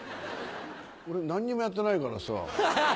俺何にもやってないからさ。